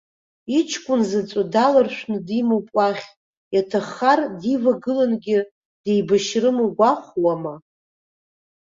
Иҷкәын заҵәы даларшәны димоуп уахь, иаҭаххар дивагылангьы деибашьрым угәахәуама?